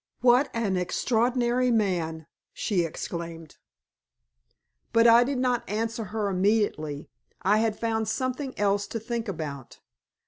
"What an extraordinary man!" she exclaimed. But I did not answer her immediately, I had found something else to think about.